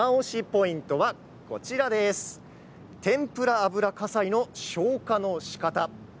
ポイントは天ぷら油火災の消火のしかた。